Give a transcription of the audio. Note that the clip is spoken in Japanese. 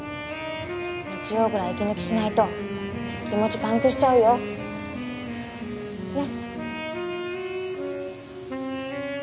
日曜くらい息抜きしないと気持ちパンクしちゃうよねッ？